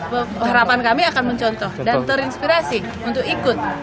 bahwa harapan kami akan mencontoh dan terinspirasi untuk ikut